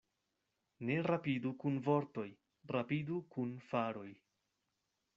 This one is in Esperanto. Ne rapidu kun vortoj, rapidu kun faroj.